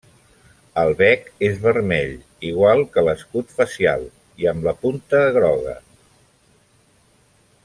El bec és vermell, igual que l'escut facial, i amb la punta groga.